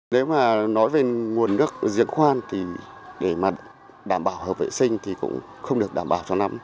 nếu mà nói về nguồn nước diễn khoan thì để mà đảm bảo hợp vệ sinh thì cũng không được đảm bảo cho năm